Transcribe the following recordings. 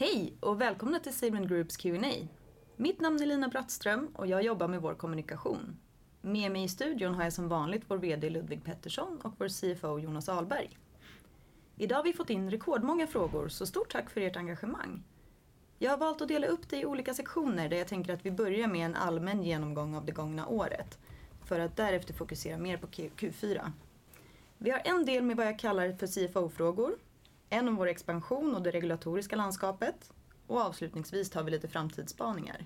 Hej och välkomna till SaveLend Group Q&A. Mitt namn är Lina Brattström och jag jobbar med vår kommunikation. Med mig i studion har jag som vanligt vår vd Ludwig Pettersson och vår CFO Jonas Ahlberg. Idag har vi fått in rekordmånga frågor, så stort tack för ert engagemang. Jag har valt att dela upp det i olika sektioner där jag tänker att vi börjar med en allmän genomgång av det gångna året för att därefter fokusera mer på Q4. Vi har en del med vad jag kallar för CFO-frågor, en om vår expansion och det regulatoriska landskapet och avslutningsvis tar vi lite framtidsspaningar.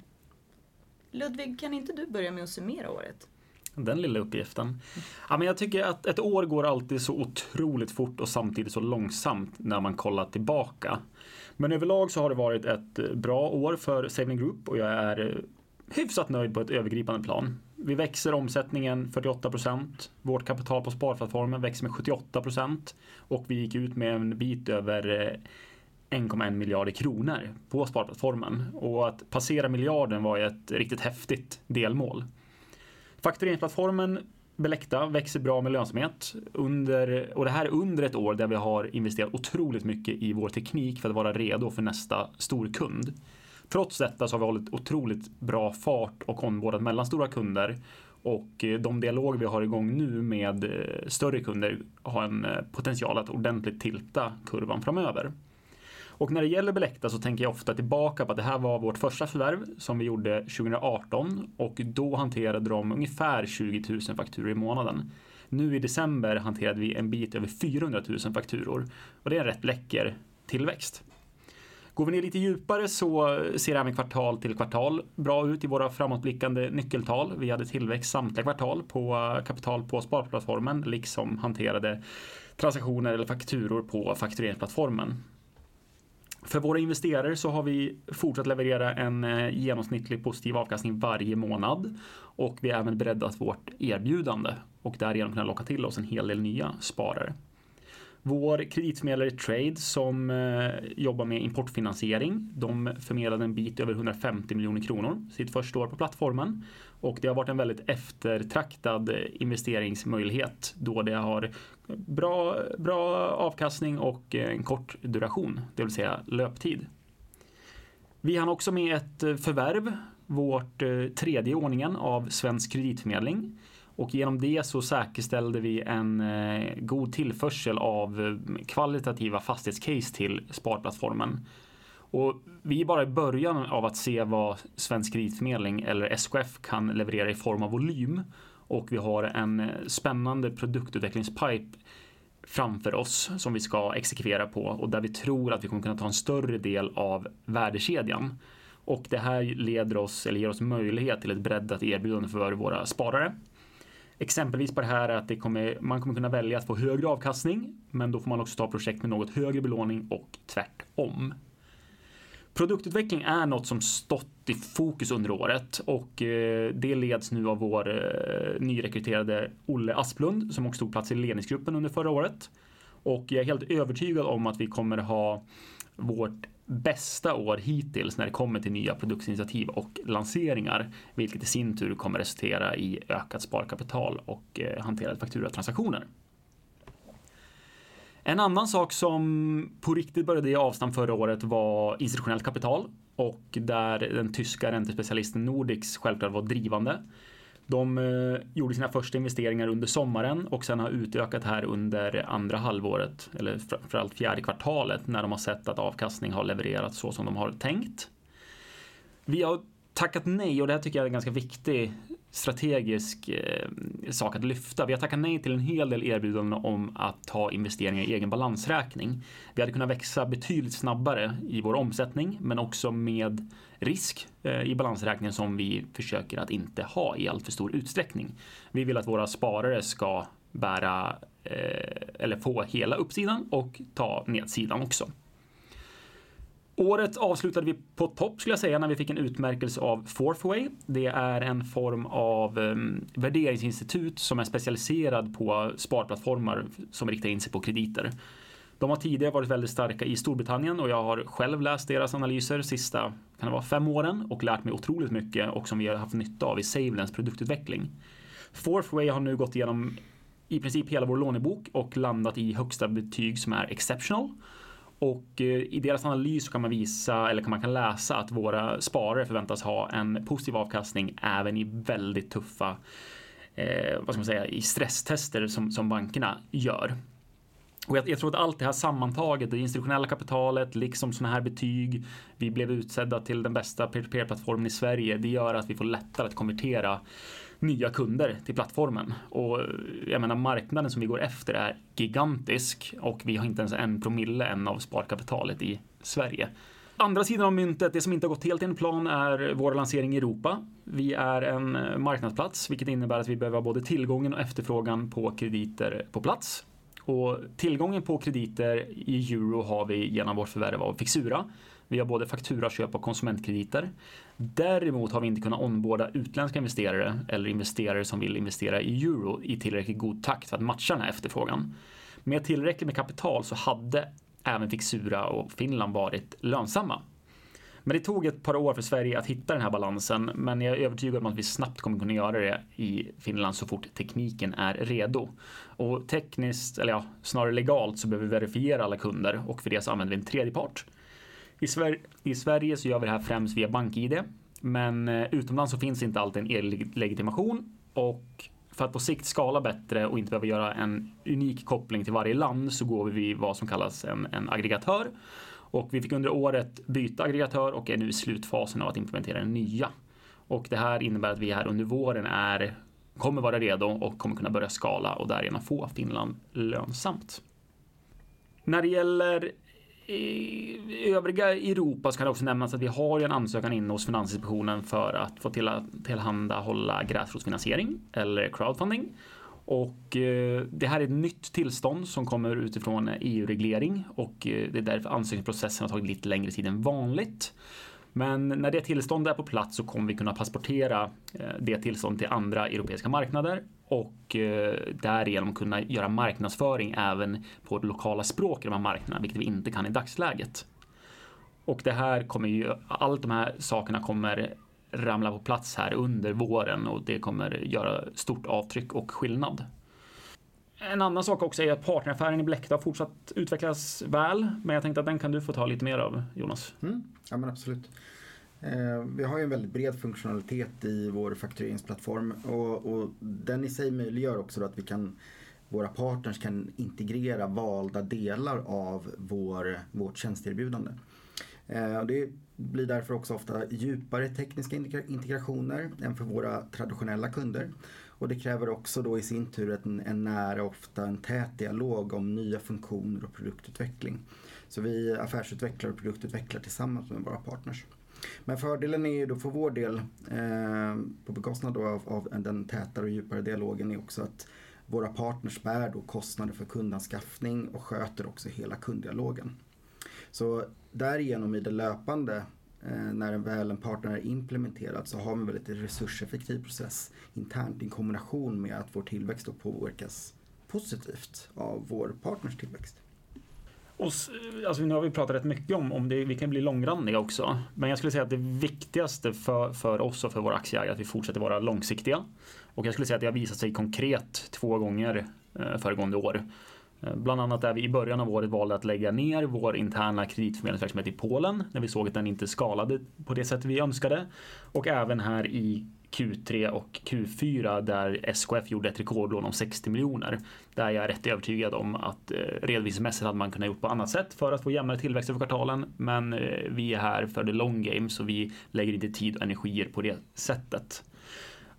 Ludwig, kan inte du börja med att summera året? Den lilla uppgiften. Ja men jag tycker att ett år går alltid så otroligt fort och samtidigt så långsamt när man kollar tillbaka. Överlag så har det varit ett bra år för SaveLend Group och jag är hyfsat nöjd på ett övergripande plan. Vi växer omsättningen 48%. Vårt kapital på sparplattformen växer med 78% och vi gick ut med en bit över SEK 1.1 billion på sparplattformen. Att passera miljarden var ju ett riktigt häftigt delmål. Faktureringsplattformen Billecta växer bra med lönsamhet under. Det här är under ett år där vi har investerat otroligt mycket i vår teknik för att vara redo för nästa stor kund. Trots detta så har vi hållit otroligt bra fart och onboardat mellanstora kunder och de dialoger vi har igång nu med större kunder har en potential att ordentligt tilta kurvan framöver. När det gäller Billecta tänker jag ofta tillbaka på att det här var vårt första förvärv som vi gjorde 2018 och då hanterade de ungefär 20,000 fakturor i månaden. Nu i december hanterade vi en bit över 400,000 fakturor och det är en rätt läcker tillväxt. Går vi ner lite djupare så ser även kvartal till kvartal bra ut i våra framåtblickande nyckeltal. Vi hade tillväxt samtliga kvartal på kapital på sparplattformen liksom hanterade transaktioner eller fakturor på faktureringsplattformen. För våra investerare så har vi fortsatt leverera en genomsnittlig positiv avkastning varje månad och vi har även breddat vårt erbjudande och därigenom kunnat locka till oss en hel del nya sparare. Vår kreditförmedlare Trade som jobbar med importfinansiering, de förmedlade en bit över 150 million SEK sitt first år på plattformen och det har varit en väldigt eftertraktad investeringsmöjlighet då det har bra avkastning och en kort duration, det vill säga löptid. Vi hann också med ett förvärv, vårt third in order av Svensk Kreditförmedling och genom det så säkerställde vi en god tillförsel av kvalitativa fastighetscase till sparplattformen. Vi är bara i början av att se vad Svensk Kreditförmedling eller SKF kan leverera i form av volym. Vi har en spännande produktutvecklingspipe framför oss som vi ska exekvera på och där vi tror att vi kommer kunna ta en större del av värdekedjan. Det här leder oss eller ger oss möjlighet till ett breddat erbjudande för våra sparare. Exempelvis på det här är att det kommer, man kommer kunna välja att få högre avkastning, men då får man också ta projekt med något högre belåning och tvärtom. Produktutveckling är något som stått i fokus under året och det leds nu av vår nyrekryterade Olle Asplund, som också tog plats i ledningsgruppen under förra året. Jag är helt övertygad om att vi kommer ha vårt bästa år hittills när det kommer till nya produktinitiativ och lanseringar, vilket i sin tur kommer resultera i ökat sparkapital och hanterade fakturatransaktioner. En annan sak som på riktigt började i avstamp förra året var institutionellt kapital och där den tyska räntespecialisten Nordax självklart var drivande. De gjorde sina första investeringar under sommaren och sen har utökat här under andra halvåret, eller framför allt fjärde kvartalet, när de har sett att avkastning har levererat så som de har tänkt. Vi har tackat nej, och det här tycker jag är en ganska viktig strategisk sak att lyfta. Vi har tackat nej till en hel del erbjudanden om att ta investeringar i egen balansräkning. Vi hade kunnat växa betydligt snabbare i vår omsättning, men också med risk i balansräkningen som vi försöker att inte ha i alltför stor utsträckning. Vi vill att våra sparare ska bära, eller få hela uppsidan och ta nedsidan också. Året avslutade vi på topp skulle jag säga, när vi fick en utmärkelse av 4thWay. Det är en form av värderingsinstitut som är specialiserad på sparplattformar som riktar in sig på krediter. De har tidigare varit väldigt starka i Storbritannien och jag har själv läst deras analyser sista, kan det vara fem åren, och lärt mig otroligt mycket och som vi har haft nytta av i SaveLend's produktutveckling. 4thWay har nu gått igenom i princip hela vår lånebok och landat i högsta betyg som är exceptional. I deras analys kan man läsa att våra sparare förväntas ha en positiv avkastning även i väldigt tuffa, vad ska man säga, i stresstester som bankerna gör. Jag tror att allt det här sammantaget, det institutionella kapitalet liksom sådana här betyg, vi blev utsedda till den bästa P2P-plattformen i Sverige, det gör att vi får lättare att konvertera nya kunder till plattformen. Jag menar marknaden som vi går efter är gigantisk och vi har inte ens en promille än av sparkapitalet i Sverige. Andra sidan av myntet, det som inte har gått helt enligt plan, är vår lansering i Europa. Vi är en marknadsplats, vilket innebär att vi behöver ha både tillgången och efterfrågan på krediter på plats. Tillgången på krediter i EUR har vi genom vårt förvärv av Fixura. Vi har både fakturaköp och konsumentkrediter. Däremot har vi inte kunnat onboarda utländska investerare eller investerare som vill investera i EUR i tillräcklig god takt för att matcha den här efterfrågan. Med tillräckligt med kapital så hade även Fixura och Finland varit lönsamma. Det tog 2 år för Sverige att hitta den här balansen, men jag är övertygad om att vi snabbt kommer att kunna göra det i Finland så fort tekniken är redo. Tekniskt, eller ja, snarare legalt, så behöver vi verifiera alla kunder och för det så använder vi en tredje part. I Sverige så gör vi det här främst via BankID, utomlands så finns inte alltid en e-legitimation. För att på sikt skala bättre och inte behöva göra en unik koppling till varje land så går vi via vad som kallas en aggregatör. Vi fick under året byta aggregatör och är nu i slutfasen av att implementera den nya. Det här innebär att vi här under våren kommer vara redo och kommer kunna börja skala och därigenom få Finland lönsamt. När det gäller övriga Europa ska det också nämnas att vi har ju en ansökan inne hos Finansinspektionen för att få tillhandahålla gräsrotsfinansiering eller crowdfunding. Det här är ett nytt tillstånd som kommer utifrån EU-reglering och det är därför ansökningsprocessen har tagit lite längre tid än vanligt. När det tillståndet är på plats så kommer vi kunna transportera det tillstånd till andra europeiska marknader och därigenom kunna göra marknadsföring även på lokala språk i de här marknaderna, vilket vi inte kan i dagsläget. Det här kommer ju, allt de här sakerna kommer ramla på plats här under våren och det kommer göra stort avtryck och skillnad. En annan sak också är att partneraffären i Billecta har fortsatt utvecklas väl, men jag tänkte att den kan du få ta lite mer av, Jonas. Ja men absolut. Vi har ju en väldigt bred funktionalitet i vår faktureringsplattform och den i sig möjliggör också att våra partners kan integrera valda delar av vårt tjänsteerbjudande. Det blir därför också ofta djupare tekniska integrationer än för våra traditionella kunder. Det kräver också då i sin tur en nära, ofta en tät dialog om nya funktioner och produktutveckling. Vi affärsutvecklar och produktutvecklar tillsammans med våra partners. Fördelen är ju då för vår del, på bekostnad då av den tätare och djupare dialogen är också att våra partners bär då kostnader för kundanskaffning och sköter också hela kunddialogen. Därigenom i det löpande, när väl en partner är implementerad så har vi en väldigt resurseffektiv process internt i en kombination med att vår tillväxt då påverkas positivt av vår partners tillväxt. Alltså nu har vi pratat rätt mycket om det, vi kan bli långrandiga också. Jag skulle säga att det viktigaste för oss och för våra aktieägare är att vi fortsätter vara långsiktiga. Jag skulle säga att det har visat sig konkret 2 gånger föregående år. Bland annat där vi i början av året valde att lägga ner vår interna kreditförmedlingsverksamhet i Polen när vi såg att den inte skalade på det sättet vi önskade. Även här i Q3 och Q4 där SKF gjorde ett rekordlån om SEK 60 million. Där är jag rätt övertygad om att redovisningsmässigt hade man kunnat gjort på annat sätt för att få jämnare tillväxer för kvartalen. Vi är här för the long game, så vi lägger lite tid och energier på det sättet.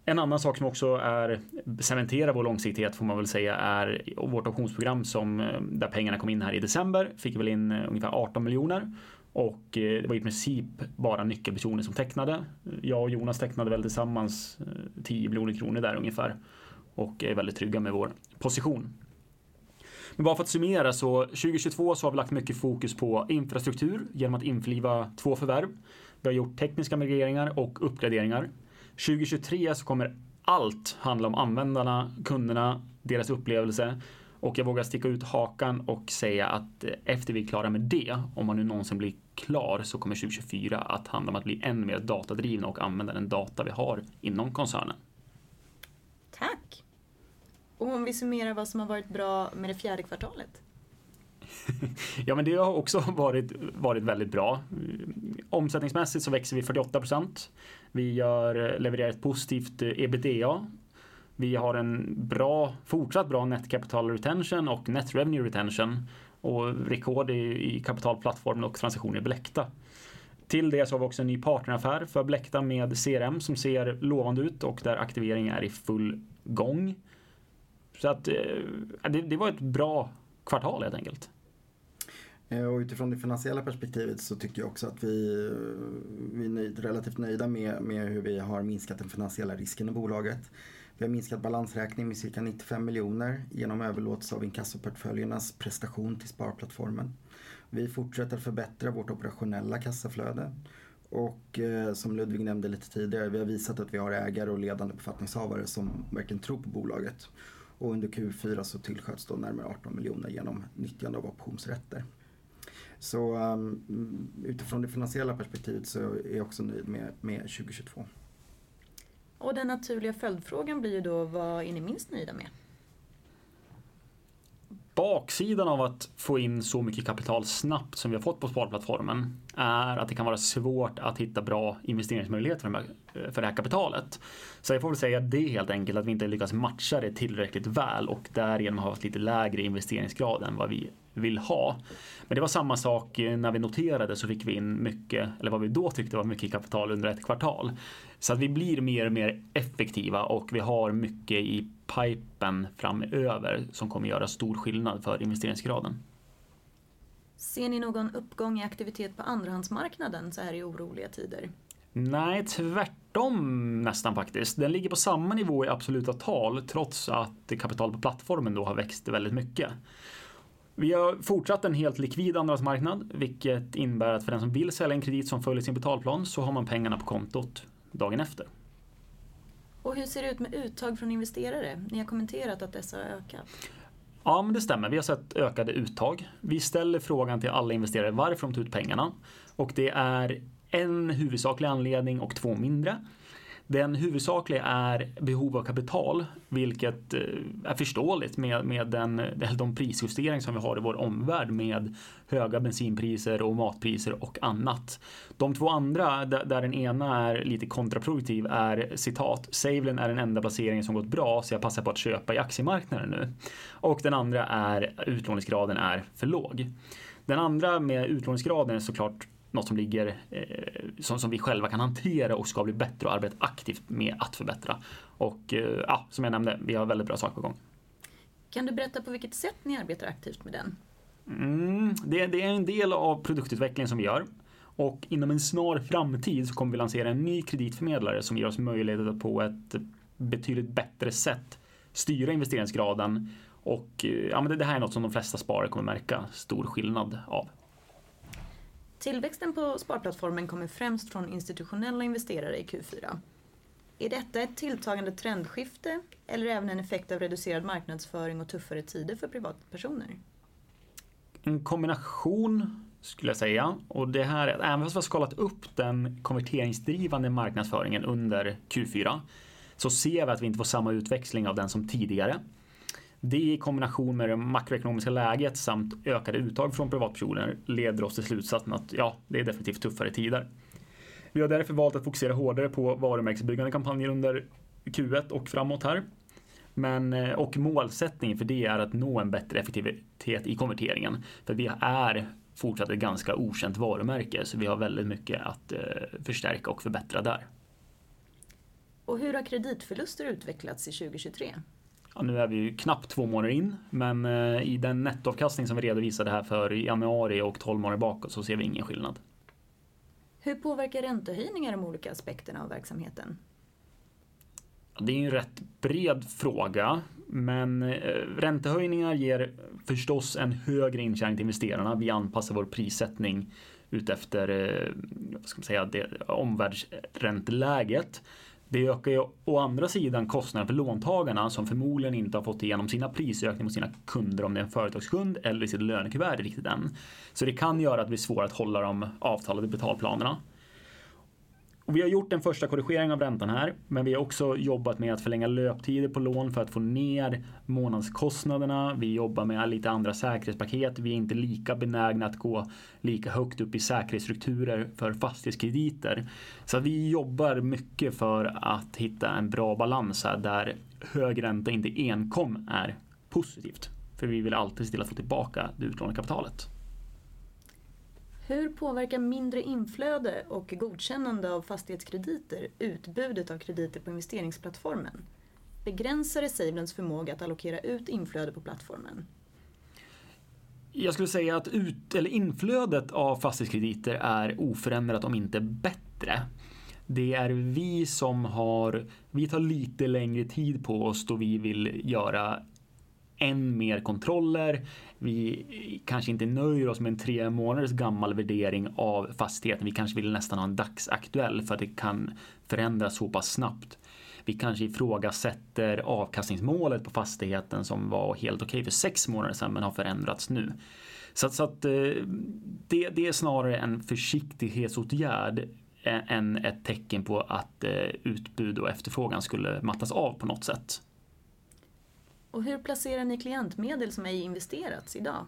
En annan sak som också är, cementerar vår långsiktighet får man väl säga, är vårt optionsprogram som, där pengarna kom in här i december. Fick väl in ungefär SEK 18 million och det var i princip bara nyckelpersoner som tecknade. Jag och Jonas tecknade väl tillsammans SEK 10 million där ungefär och är väldigt trygga med vår position. Bara för att summera så 2022 så har vi lagt mycket fokus på infrastruktur genom att infliva två förvärv. Vi har gjort tekniska migreringar och uppgraderingar. 2023 så kommer allt handla om användarna, kunderna, deras upplevelse och jag vågar sticka ut hakan och säga att efter vi är klara med det, om man nu någonsin blir klar, så kommer 2024 att handla om att bli än mer datadrivna och använda den data vi har inom koncernen. Tack. Om vi summerar vad som har varit bra med det fjärde kvartalet? Det har också varit väldigt bra. Omsättningsmässigt växer vi 48%. Vi levererar ett positivt EBITDA. Vi har en bra, fortsatt bra net capital retention och net revenue retention och rekord i kapitalplattformen och transaktioner i Billecta. Till det har vi också en ny partneraffär för Billecta med CRM som ser lovande ut och där aktivering är i full gång. Det var ett bra kvartal helt enkelt. Utifrån det finansiella perspektivet så tycker jag också att vi är nöjd, relativt nöjda med hur vi har minskat den finansiella risken i bolaget. Vi har minskat balansräkningen med cirka SEK 95 million genom överlåtelse av inkassoportföljernas prestation till sparplattformen. Vi fortsätter att förbättra vårt operationella kassaflöde och som Ludvig nämnde lite tidigare, vi har visat att vi har ägare och ledande befattningshavare som verkligen tror på bolaget. Under Q4 så tillsköts då närmare SEK 18 million genom nyttjande av optionsrätter. Utifrån det finansiella perspektivet så är jag också nöjd med 2022. Den naturliga följdfrågan blir ju då: Vad är ni minst nöjda med? Baksidan av att få in så mycket kapital snabbt som vi har fått på sparplattformen är att det kan vara svårt att hitta bra investeringsmöjligheter för de här, för det här kapitalet. Jag får väl säga att det är helt enkelt att vi inte lyckats matcha det tillräckligt väl och därigenom har haft lite lägre investeringsgrad än vad vi vill ha. Det var samma sak när vi noterade så fick vi in mycket, eller vad vi då tyckte var mycket kapital under ett kvartal. Vi blir mer och mer effektiva och vi har mycket i pipen framöver som kommer göra stor skillnad för investeringsgraden. Ser ni någon uppgång i aktivitet på andrahandsmarknaden såhär i oroliga tider? Nej, tvärtom nästan faktiskt. Den ligger på samma nivå i absoluta tal trots att kapitalet på plattformen då har växt väldigt mycket. Vi har fortsatt en helt likvid andrahandsmarknad, vilket innebär att för den som vill sälja en kredit som följer sin betalplan så har man pengarna på kontot dagen efter. Hur ser det ut med uttag från investerare? Ni har kommenterat att dessa har ökat. Det stämmer. Vi har sett ökade uttag. Vi ställer frågan till alla investerare varför de tar ut pengarna. Det är en huvudsaklig anledning och två mindre. Den huvudsakliga är behov av kapital, vilket är förståeligt med den, de prisjustering som vi har i vår omvärld med höga bensinpriser och matpriser och annat. De två andra, där den ena är lite kontraproduktiv, är citat: "SaveLend är den enda placeringen som gått bra, så jag passar på att köpa i aktiemarknaden nu." Den andra är utlåningsgraden är för låg. Den andra med utlåningsgraden är såklart något som ligger som vi själva kan hantera och ska bli bättre och arbeta aktivt med att förbättra. Ja, som jag nämnde, vi har väldigt bra saker på gång. Kan du berätta på vilket sätt ni arbetar aktivt med den? Det är en del av produktutvecklingen som vi gör och inom en snar framtid så kommer vi lansera en ny kreditförmedlare som ger oss möjligheter på ett betydligt bättre sätt styra investeringsgraden. Ja, men det här är något som de flesta sparare kommer märka stor skillnad av. Tillväxten på spartplattformen kommer främst från institutionella investerare i Q4. Är detta ett tilltagande trendskifte eller även en effekt av reducerad marknadsföring och tuffare tider för privatpersoner? En kombination skulle jag säga. Det här, även fast vi har skalat upp den konverteringsdrivande marknadsföringen under Q4 så ser vi att vi inte får samma utväxling av den som tidigare. Det i kombination med det makroekonomiska läget samt ökade uttag från privatpersoner leder oss till slutsatsen att ja, det är definitivt tuffare tider. Vi har därför valt att fokusera hårdare på varumärkesuppbyggande kampanjer under Q1 och framåt här. Målsättningen för det är att nå en bättre effektivitet i konverteringen. Vi är fortsatt ett ganska okänt varumärke, så vi har väldigt mycket att förstärka och förbättra där. Hur har kreditförluster utvecklats 2023? Nu är vi ju knappt 2 månader in, men i den nettoavkastning som vi redovisade här för januari och 12 månader bakåt så ser vi ingen skillnad. Hur påverkar räntehöjningar de olika aspekterna av verksamheten? Det är ju en rätt bred fråga, räntehöjningar ger förstås en högre intjäning till investerarna. Vi anpassar vår prissättning utefter, vad ska man säga, det omvärldsränteläget. Det ökar ju å andra sidan kostnaden för låntagarna som förmodligen inte har fått igenom sina prisökningar mot sina kunder om det är en företagskund eller i sitt lönekuvert riktigt än. Det kan göra att det blir svårare att hålla de avtalade betalplanerna. Vi har gjort en första korrigering av räntan här, vi har också jobbat med att förlänga löptider på lån för att få ner månadskostnaderna. Vi jobbar med lite andra säkerhetspaket. Vi är inte lika benägna att gå lika högt upp i säkerhetsstrukturer för fastighetskrediter. Vi jobbar mycket för att hitta en bra balans här där hög ränta inte enkom är positivt, för vi vill alltid se till att få tillbaka utlåningskapitalet. Hur påverkar mindre inflöde och godkännande av fastighetskrediter utbudet av krediter på investeringsplattformen? Begränsar det SaveLend's förmåga att allokera ut inflöde på plattformen? Jag skulle säga att ut-eller inflödet av fastighetskrediter är oförändrat om inte bättre. Det är vi som har, vi tar lite längre tid på oss då vi vill göra än mer kontroller. Vi kanske inte nöjer oss med en 3 månaders gammal värdering av fastigheten. Vi kanske vill nästan ha en dagsaktuell för att det kan förändras så pass snabbt. Vi kanske ifrågasätter avkastningsmålet på fastigheten som var helt okej för 6 månader sedan men har förändrats nu. Det är snarare en försiktighetsåtgärd än ett tecken på att utbud och efterfrågan skulle mattas av på något sätt. Hur placerar ni klientmedel som ej investerats i dag?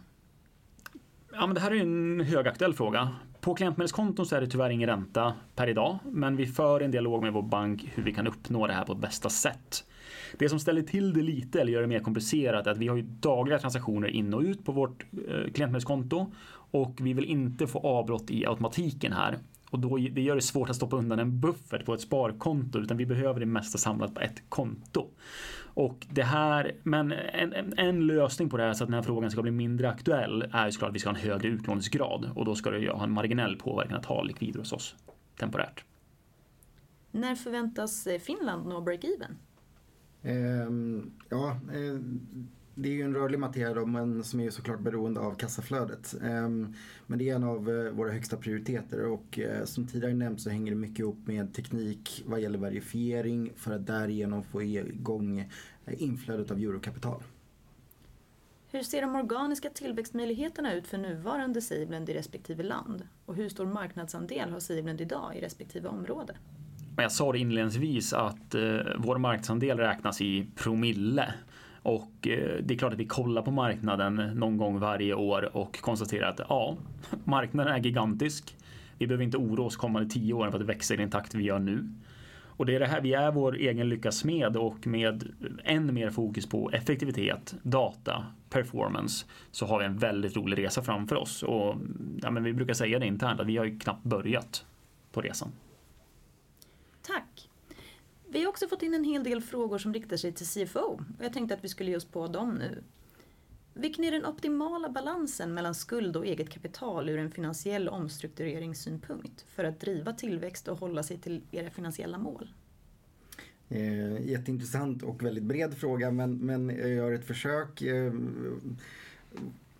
Det här är en högaktuell fråga. På klientmedelskonton så är det tyvärr ingen ränta per i dag, men vi för en dialog med vår bank hur vi kan uppnå det här på ett bästa sätt. Det som ställer till det lite eller gör det mer komplicerat är att vi har ju dagliga transaktioner in och ut på vårt klientmedelskonto och vi vill inte få avbrott i automatiken här. Det gör det svårt att stoppa undan en buffert på ett sparkonto, utan vi behöver det mesta samlat på ett konto. Det här, men en lösning på det är så att den här frågan ska bli mindre aktuell är ju så klart att vi ska ha en högre utlåningsgrad och då ska det ha en marginell påverkan att ha likvider hos oss temporärt. När förväntas Finland nå break even? Det är ju en rörlig materia då men som är så klart beroende av kassaflödet. Det är en av våra högsta prioriteter och som tidigare nämnt så hänger det mycket ihop med teknik vad gäller verifiering för att därigenom få i gång inflödet av eurokapital. Hur ser de organiska tillväxtmöjligheterna ut för nuvarande SaveLend i respektive land? Hur stor marknadsandel har SaveLend i dag i respektive område? Jag sa det inledningsvis att vår marknadsandel räknas i promille. Det är klart att vi kollar på marknaden någon gång varje år och konstaterar att ja, marknaden är gigantisk. Vi behöver inte oroa oss kommande 10 åren för att växa i den takt vi gör nu. Det är det här, vi är vår egen lyckas smed och med än mer fokus på effektivitet, data, performance, så har vi en väldigt rolig resa framför oss. Ja, men vi brukar säga det internt att vi har ju knappt börjat på resan. Tack. Vi har också fått in en hel del frågor som riktar sig till CFO. Jag tänkte att vi skulle ge oss på dem nu. Vilken är den optimala balansen mellan skuld och eget kapital ur en finansiell omstruktureringssynpunkt för att driva tillväxt och hålla sig till era finansiella mål? Jätteintressant och väldigt bred fråga, men jag gör ett försök.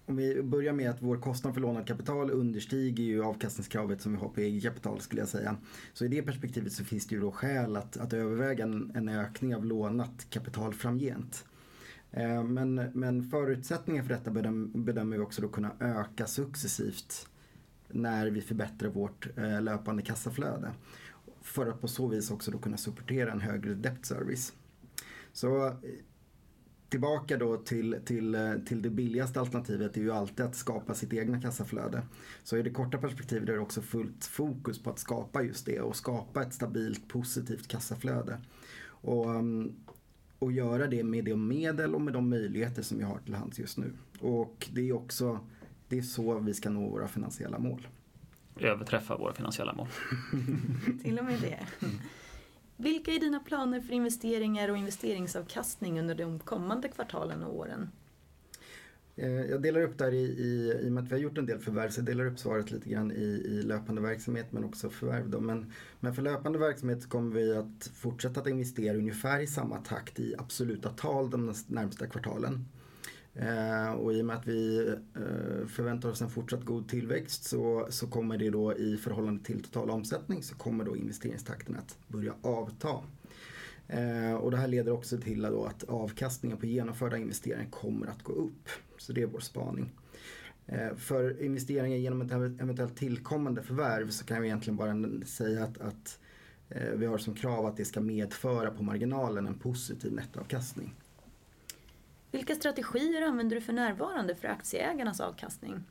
Om vi börjar med att vår kostnad för lånad kapital understiger ju avkastningskravet som vi har på eget kapital skulle jag säga. I det perspektivet så finns det ju då skäl att överväga en ökning av lånat kapital framgent. Förutsättningen för detta bedömer vi också då kunna öka successivt när vi förbättrar vårt löpande kassaflöde för att på så vis också då kunna supportera en högre debt service. Tillbaka då till det billigaste alternativet är ju alltid att skapa sitt egna kassaflöde. I det korta perspektivet är det också fullt fokus på att skapa just det och skapa ett stabilt positivt kassaflöde. Göra det med de medel och med de möjligheter som vi har till hands just nu. Det är också, det är så vi ska nå våra finansiella mål. Överträffa våra finansiella mål. Till och med det. Vilka är dina planer för investeringar och investeringsavkastning under de kommande kvartalen och åren? Jag delar upp där i och med att vi har gjort en del förvärv så delar jag upp svaret lite grann i löpande verksamhet men också förvärv då. För löpande verksamhet så kommer vi att fortsätta att investera ungefär i samma takt i absoluta tal de närmaste kvartalen. I och med att vi förväntar oss en fortsatt god tillväxt så kommer det då i förhållande till total omsättning så kommer då investeringstakten att börja avta. Det här leder också till att då att avkastningen på genomförda investeringar kommer att gå upp. Det är vår spaning. För investeringar igenom ett eventuellt tillkommande förvärv så kan jag egentligen bara säga att vi har som krav att det ska medföra på marginalen en positiv nettoavkastning. Vilka strategier använder du för närvarande för aktieägarnas avkastning?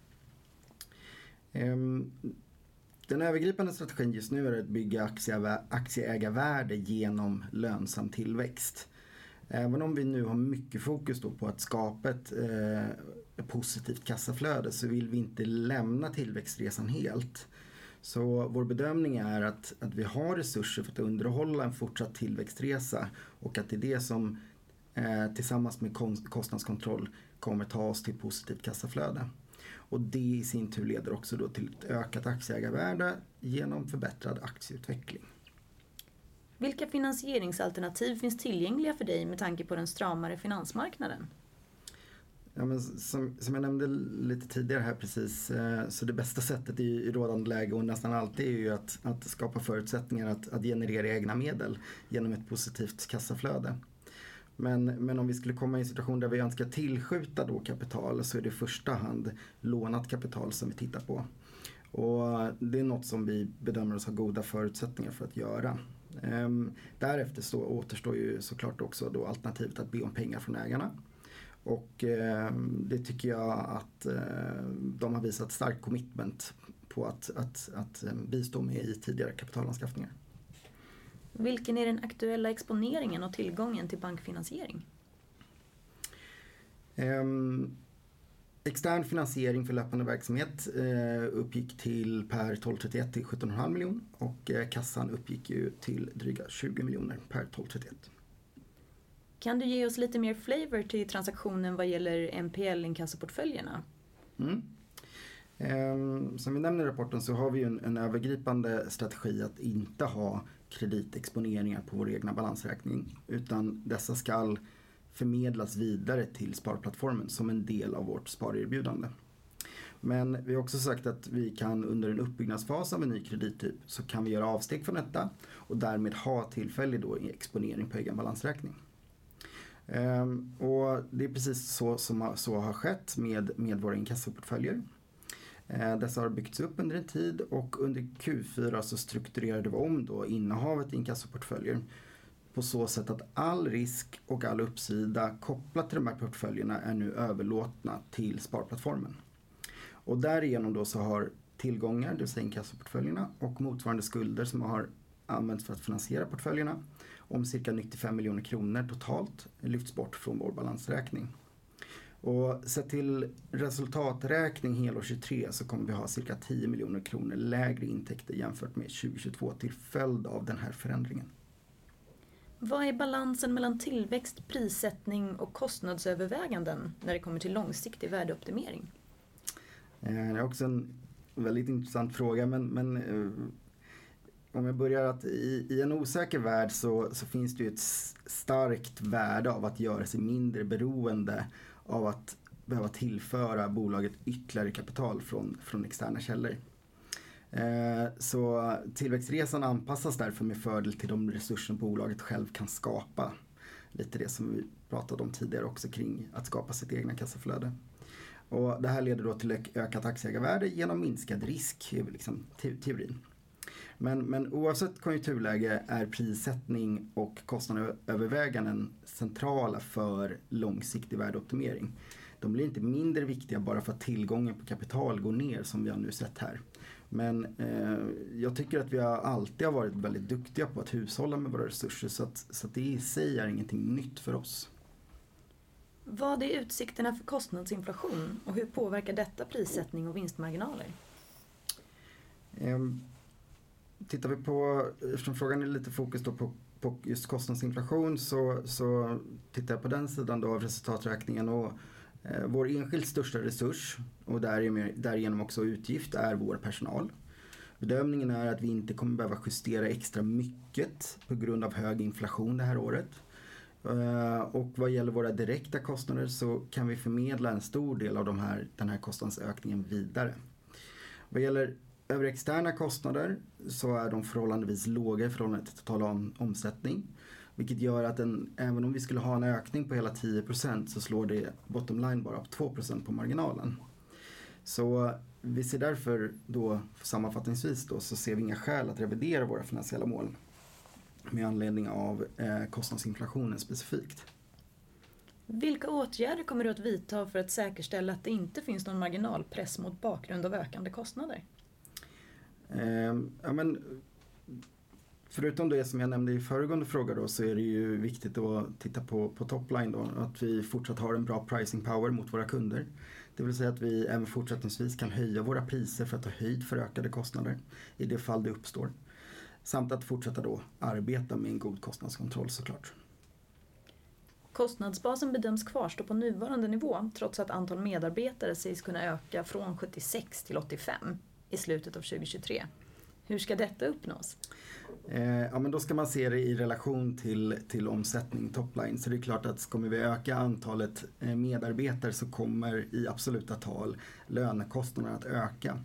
Den övergripande strategin just nu är att bygga aktieägarvärde igenom lönsam tillväxt. Även om vi nu har mycket fokus då på att skapa ett positivt kassaflöde så vill vi inte lämna tillväxtresan helt. Vår bedömning är att vi har resurser för att underhålla en fortsatt tillväxtresa och att det är det som tillsammans med kostnadskontroll kommer ta oss till positivt kassaflöde. Det i sin tur leder också då till ett ökat aktieägarvärde genom förbättrad aktieutveckling. Vilka finansieringsalternativ finns tillgängliga för dig med tanke på den stramare finansmarknaden? Som jag nämnde lite tidigare här precis, så det bästa sättet i rådande läge och nästan alltid är ju att skapa förutsättningar att generera egna medel genom ett positivt kassaflöde. Om vi skulle komma i en situation där vi önskar tillskjuta då kapital så är det i första hand lånat kapital som vi tittar på. Och det är något som vi bedömer oss ha goda förutsättningar för att göra. Därefter så återstår ju så klart också då alternativet att be om pengar från ägarna. Och det tycker jag att de har visat stark commitment på att bistå med i tidigare kapitalanskaffningar. Vilken är den aktuella exponeringen och tillgången till bankfinansiering? Extern finansiering för löpande verksamhet uppgick till per 12/31 till SEK 17.5 million och kassan uppgick ju till dryga SEK 20 million per 12/31. Kan du ge oss lite mer flavor till transaktionen vad gäller NPL inkassoportföljerna? Som vi nämner i rapporten så har vi ju en övergripande strategi att inte ha kreditexponeringar på vår egna balansräkning, utan dessa skall förmedlas vidare till sparplattformen som en del av vårt sparerbjudande. Vi har också sagt att vi kan under en uppbyggnadsfas av en ny kredittyp så kan vi göra avsteg från detta och därmed ha tillfällig då exponering på egen balansräkning. Det är precis så som har skett med våra inkassoportföljer. Dessa har byggts upp under en tid och under Q4 så strukturerade vi om då innehavet i inkassoportföljer på så sätt att all risk och all uppsida kopplat till de här portföljerna är nu överlåtna till sparplattformen. Därigenom då så har tillgångar, det vill säga inkassoportföljerna och motsvarande skulder som har använts för att finansiera portföljerna om cirka SEK 95 million totalt lyfts bort från vår balansräkning. Sett till resultaträkning helår 2023 så kommer vi att ha cirka SEK 10 million lägre intäkter jämfört med 2022 till följd av den här förändringen. Vad är balansen mellan tillväxt, prissättning och kostnadsöverväganden när det kommer till långsiktig värdeoptimering? Det är också en väldigt intressant fråga, men om jag börjar att i en osäker värld så finns det ju ett starkt värde av att göra sig mindre beroende av att behöva tillföra bolaget ytterligare kapital från externa källor. Tillväxtresan anpassas därför med fördel till de resurser bolaget själv kan skapa. Lite det som vi pratade om tidigare också kring att skapa sitt egna kassaflöde. Det här leder då till ökat aktieägarvärde genom minskad risk, liksom, i teorin. Men oavsett konjunkturläge är prissättning och kostnad överväganden centrala för långsiktig värdeoptimering. De blir inte mindre viktiga bara för att tillgången på kapital går ner som vi har nu sett här. Jag tycker att vi alltid har varit väldigt duktiga på att hushålla med våra resurser. Det i sig är ingenting nytt för oss. Vad är utsikterna för kostnadsinflation och hur påverkar detta prissättning och vinstmarginaler? Tittar vi på, eftersom frågan är lite fokus då på just kostnadsinflation så tittar jag på den sidan av resultaträkningen och vår enskilt största resurs och därigenom också utgift är vår personal. Bedömningen är att vi inte kommer behöva justera extra mycket på grund av hög inflation det här året. Vad gäller våra direkta kostnader så kan vi förmedla en stor del av den här kostnadsökningen vidare. Vad gäller övriga externa kostnader så är de förhållandevis låga i förhållande till total omsättning, vilket gör att även om vi skulle ha en ökning på hela 10% så slår det bottom line bara på 2% på marginalen. Vi ser därför då sammanfattningsvis då så ser vi inga skäl att revidera våra finansiella mål med anledning av kostnadsinflationen specifikt. Vilka åtgärder kommer du att vidta för att säkerställa att det inte finns någon marginalpress mot bakgrund av ökande kostnader? Ja men, förutom det som jag nämnde i föregående fråga då så är det ju viktigt att titta på top line då. Vi fortsatt har en bra pricing power mot våra kunder. Det vill säga att vi även fortsättningsvis kan höja våra priser för att ta höjd för ökade kostnader i det fall det uppstår. Fortsätta då arbeta med en god kostnadskontroll så klart. Kostnadsbasen bedöms kvarstå på nuvarande nivå trots att antal medarbetare sägs kunna öka från 76 till 85 i slutet av 2023. Hur ska detta uppnås? Ska man se det i relation till omsättning top line. Det är klart att ska vi öka antalet medarbetare så kommer i absoluta tal lönekostnaden att öka.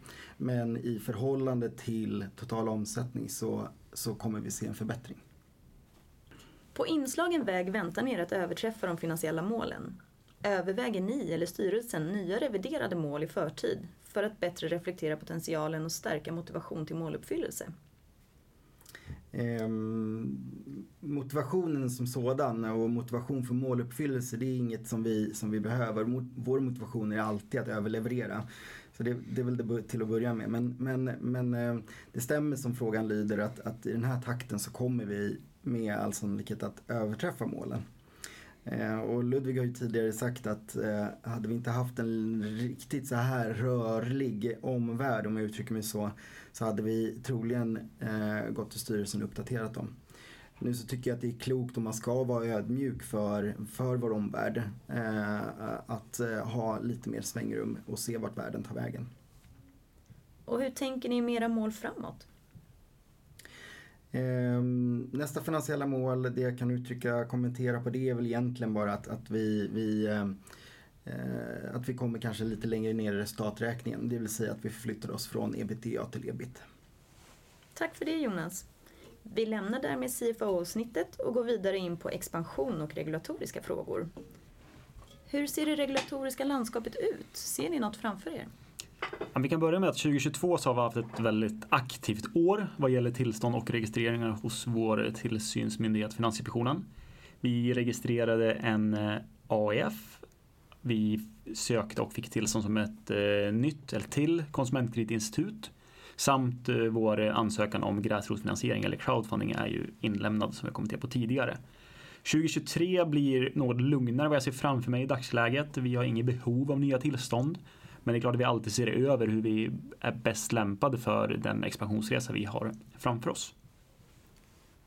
I förhållande till total omsättning så kommer vi se en förbättring. På inslagen väg väntar ni er att överträffa de finansiella målen. Överväger ni eller styrelsen nya reviderade mål i förtid för att bättre reflektera potentialen och stärka motivation till måluppfyllelse? Motivationen som sådan och motivation för måluppfyllelse, det är inget som vi behöver. Vår motivation är alltid att överleverera. Det är väl det till att börja med. Det stämmer som frågan lyder att i den här takten så kommer vi med all sannolikhet att överträffa målen. Ludwig har ju tidigare sagt att hade vi inte haft en riktigt såhär rörlig omvärld om jag uttrycker mig så hade vi troligen gått till styrelsen och uppdaterat dem. Nu tycker jag att det är klokt och man ska vara ödmjuk för vår omvärld att ha lite mer svängrum och se vart världen tar vägen. Hur tänker ni mera mål framåt? Nästa finansiella mål, det jag kan uttrycka, kommentera på det är väl egentligen bara att vi kommer kanske lite längre ner i resultaträkningen, det vill säga att vi förflyttar oss från EBITDA till EBIT. Tack för det, Jonas. Vi lämnar därmed CFO-snittet och går vidare in på expansion och regulatoriska frågor. Hur ser det regulatoriska landskapet ut? Ser ni något framför er? Vi kan börja med att 2022 så har vi haft ett väldigt aktivt år vad gäller tillstånd och registreringar hos vår tillsynsmyndighet, Finansinspektionen. Vi registrerade en AIF. Vi sökte och fick tillstånd som ett nytt eller till konsumentkreditinstitut samt vår ansökan om gräsrotsfinansiering eller crowdfunding är ju inlämnad som jag kommenterade på tidigare. 2023 blir något lugnare vad jag ser framför mig i dagsläget. Vi har inget behov av nya tillstånd, det är klart vi alltid ser över hur vi är bäst lämpade för den expansionsresa vi har framför oss.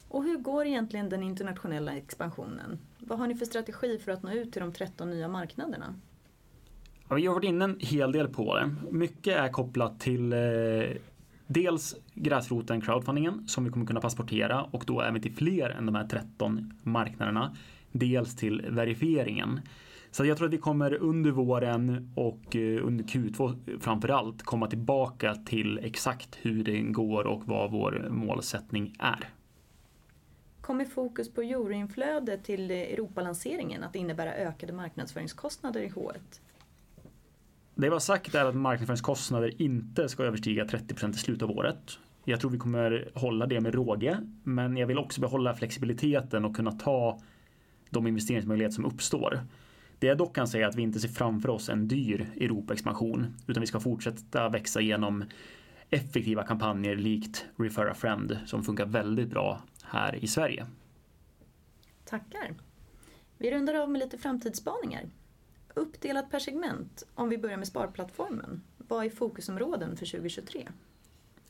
Hur går egentligen den internationella expansionen? Vad har ni för strategi för att nå ut till de 13 nya marknaderna? Ja, vi har varit inne en hel del på det. Mycket är kopplat till dels gräsroten, crowdfunding, som vi kommer kunna transportera och då även till fler än de här 13 marknaderna, dels till verifieringen. Jag tror att vi kommer under våren och under Q2 framför allt komma tillbaka till exakt hur det går och vad vår målsättning är. Kommer fokus på journalinflöde till Europalanseringen att innebära ökade marknadsföringskostnader i Q1? Det vi har sagt är att marknadsföringskostnader inte ska överstiga 30% i slutet av året. Jag tror vi kommer hålla det med råge, men jag vill också behålla flexibiliteten och kunna ta de investeringsmöjligheter som uppstår. Det jag dock kan säga är att vi inte ser framför oss en dyr Europaexpansion, utan vi ska fortsätta växa genom effektiva kampanjer, likt Refer-a-friend, som funkar väldigt bra här i Sverige. Tackar. Vi rundar av med lite framtidsspaningar. Uppdelat per segment, om vi börjar med sparplattformen, vad är fokusområden för 2023?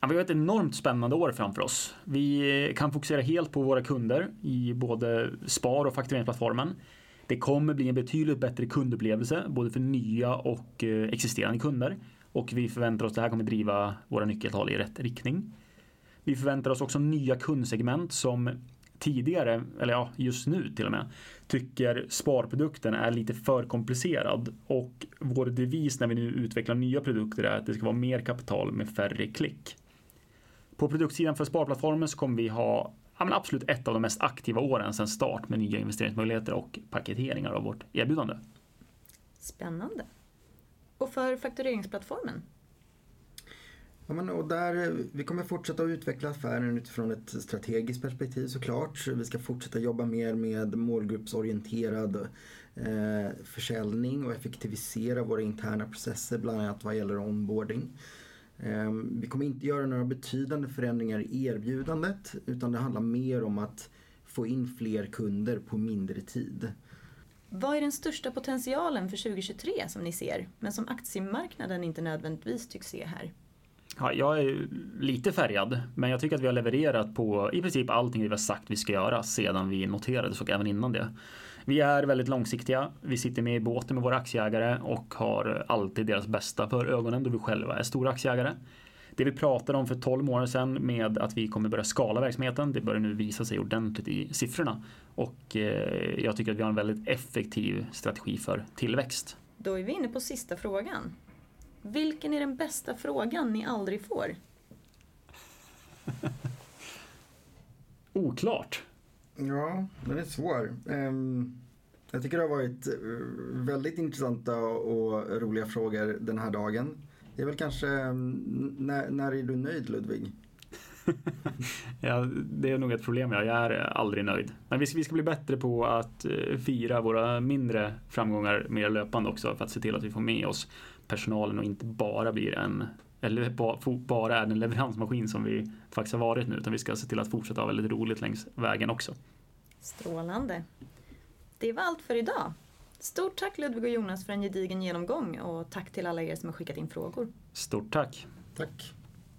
Vi har ett enormt spännande år framför oss. Vi kan fokusera helt på våra kunder i både spar- och faktureringsplattformen. Det kommer bli en betydligt bättre kundupplevelse, både för nya och existerande kunder. Vi förväntar oss att det här kommer driva våra nyckeltal i rätt riktning. Vi förväntar oss också nya kundsegment som tidigare, eller ja, just nu till och med, tycker sparprodukten är lite för komplicerad och vår devis när vi nu utvecklar nya produkter är att det ska vara mer kapital med färre klick. På produktsidan för sparplattformen kommer vi ha, ja men absolut ett av de mest aktiva åren sedan start med nya investeringsmöjligheter och paketeringar av vårt erbjudande. Spännande. För faktureringsplattformen? Vi kommer fortsätta utveckla affären utifrån ett strategiskt perspektiv så klart. Vi ska fortsätta jobba mer med målgruppsorienterad försäljning och effektivisera våra interna processer, bland annat vad gäller onboarding. Vi kommer inte göra några betydande förändringar i erbjudandet, utan det handlar mer om att få in fler kunder på mindre tid. Vad är den största potentialen för 2023 som ni ser, men som aktiemarknaden inte nödvändigtvis tycks se här? Jag är ju lite färgad, men jag tycker att vi har levererat på i princip allting vi har sagt vi ska göra sedan vi noterades och även innan det. Vi är väldigt långsiktiga. Vi sitter med i båten med våra aktieägare och har alltid deras bästa för ögonen då vi själva är stora aktieägare. Det vi pratade om för 12 år sedan med att vi kommer börja skala verksamheten, det börjar nu visa sig ordentligt i siffrorna och jag tycker att vi har en väldigt effektiv strategi för tillväxt. Är vi inne på sista frågan. Vilken är den bästa frågan ni aldrig får? Oklart. Ja, den är svår. Jag tycker det har varit, väldigt intressanta och roliga frågor den här dagen. Det är väl kanske, när är du nöjd, Ludwig? Ja, det är nog ett problem, ja. Jag är aldrig nöjd. Vi ska bli bättre på att fira våra mindre framgångar mer löpande också för att se till att vi får med oss personalen och inte bara blir en, eller bara är den leveransmaskin som vi faktiskt har varit nu, utan vi ska se till att fortsätta ha väldigt roligt längs vägen också. Strålande. Det var allt för i dag. Stort tack Ludwig och Jonas för en gedigen genomgång och tack till alla er som har skickat in frågor. Stort tack! Tack